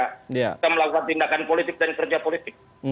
kita melakukan tindakan politik dan kerja politik